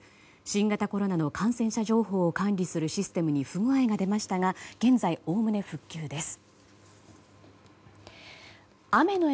新型コロナの感染者情報を管理するシステムに不具合が出ましたが現在、おおむね復旧です。